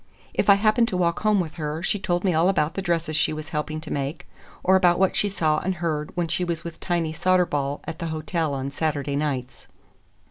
If I happened to walk home with her, she told me all about the dresses she was helping to make, or about what she saw and heard when she was with Tiny Soderball at the hotel on Saturday nights.